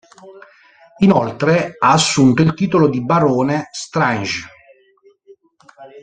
Inoltre ha assunto il titolo di Barone Strange.